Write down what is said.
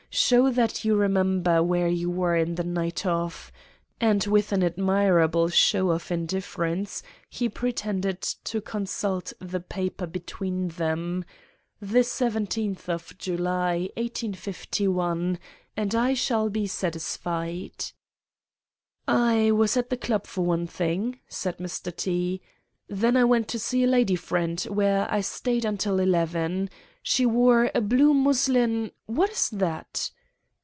Show that you remember where you were on the night of'—and with an admirable show of indifference he pretended to consult the paper between them—'the seventeenth of July, 1851, and I shall be satisfied.' "'I was at the club for one thing,' said Mr. T——; 'then I went to see a lady friend, where I stayed till eleven. She wore a blue muslin—— What is that?